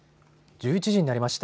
１１時になりました。